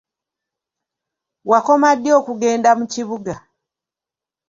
Wakoma ddi okugenda mu kibuga?